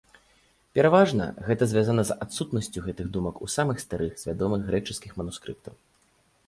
Пераважна, гэта звязана з адсутнасцю гэтых думак у самых старых з вядомых грэчаскіх манускрыптаў.